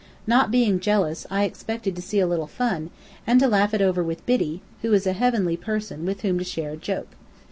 Not being jealous, I expected to see a little fun, and laugh over it with Biddy, who is a heavenly person with whom to share a joke.